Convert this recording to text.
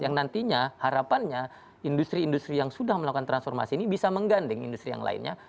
yang nantinya harapannya industri industri yang sudah melakukan transformasi ini bisa mengganding industri yang lainnya